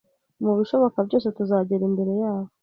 Mubishoboka byose, tuzagera imbere yabo